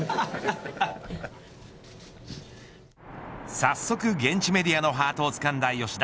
早速、現地メディアのハートをつかんだ吉田。